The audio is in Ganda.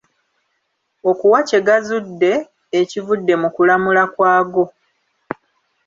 Okuwa kye gazudde, ekivudde mu kulamula kwago.